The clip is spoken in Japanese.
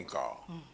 うん。